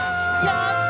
やった！